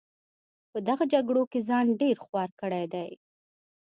په دغه جګړو کې ځان ډېر خوار کړی دی.